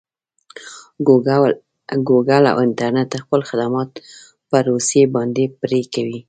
ګوګل او انټرنټ خپل خدمات په روسې باندې پري کوي.